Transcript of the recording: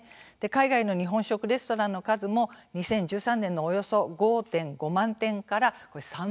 海外の日本食レストランの数も２０１３年のおよそ５．５万店から３倍近くに増えていました。